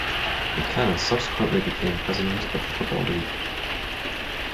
McKenna subsequently became President of the Football League.